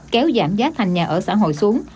kéo giảm giá thành nhà ở xã hội xuống